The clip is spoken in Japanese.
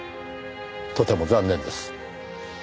とても残念です。